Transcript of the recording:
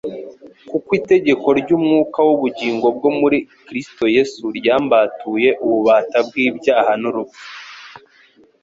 «Kuko itegeko ry'umwuka w'ubugingo bwo muri Kristo Yesu ryambatuye ububata bw'ibyaha n'urupfu.»